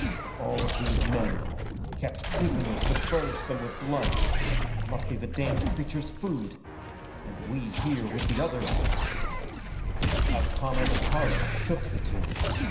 "All of these men kept prisoners to furnish them with blood. It must be the damned creatures' food! And we here with the others " A common horror shook the two.